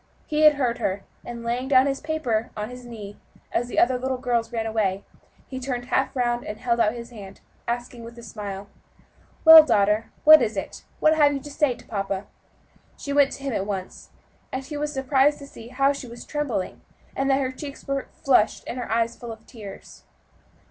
He had heard her, and laying his paper down on his knee, as the other little girls ran away, he turned half round and held out his hand, asking, with a smile, "Well, daughter, what is it? what have you to say to papa?" She went to him at once, and he was surprised to see how she was trembling, and that her cheeks were flushed and her eyes full of tears.